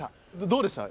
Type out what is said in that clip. どうでした？